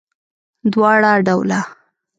دواړه ډوله